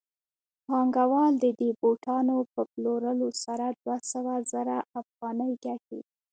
پانګوال د دې بوټانو په پلورلو سره دوه سوه زره افغانۍ ګټي